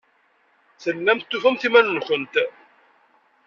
Tellamt tufamt iman-nwent.